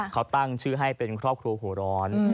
เขาตั้งชื่อให้เป็นครอบครัวหัวร้อน